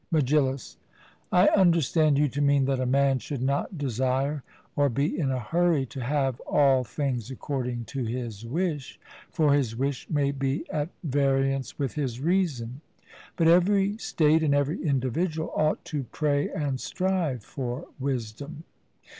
MEGILLUS: I understand you to mean that a man should not desire or be in a hurry to have all things according to his wish, for his wish may be at variance with his reason. But every state and every individual ought to pray and strive for wisdom.